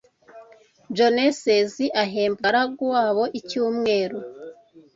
Joneses ahemba umugaragu wabo icyumweru.